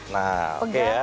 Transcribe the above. nah oke ya